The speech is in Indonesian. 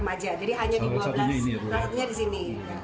jadi hanya di dua belas terhubungnya di sini